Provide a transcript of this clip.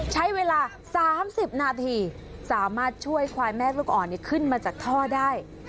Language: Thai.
ใช้เวลา๓๐นาทีสามารถช่วยควายแม่ลูกอ่อนขึ้นมาจากท่อได้